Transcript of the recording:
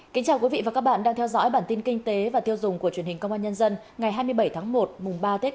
cảnh giác không để sập bẫy tín dụng đen qua mạng trong những ngày tết